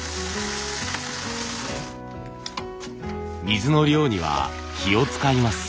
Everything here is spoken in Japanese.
水の量には気を遣います。